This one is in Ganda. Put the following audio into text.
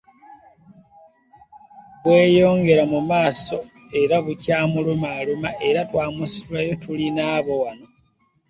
Bweyongera mu maaso bukyamulumaluma, era twamusitulayo tuli nabo wano.